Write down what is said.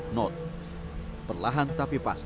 kapal ini bisa melaju hingga kecepatan maksimal empat puluh knot